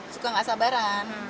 suka gak sabaran